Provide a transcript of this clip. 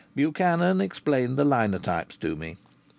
Buchanan explained the linotypes to me.